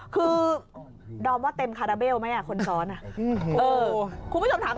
คือด้อมว่าเต็มหมะคนซ้อนอ่ะคนคุณผู้ชมถาม